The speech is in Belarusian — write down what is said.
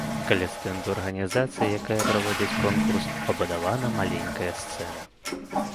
Каля стэнду арганізацыі, якая праводзіць конкурс, пабудавана маленькая сцэна.